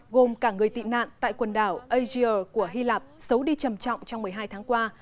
gồm cả người tị nạn tại quần đảo asia của hy lạp xấu đi trầm trọng trong một mươi hai tháng qua